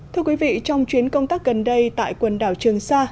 thưa quý vị trong chuyến công tác gần đây tại quần đảo trường sa